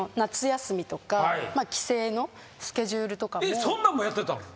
えっそんなんもやってたの？